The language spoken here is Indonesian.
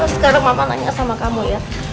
sekarang mama nanya sama kamu ya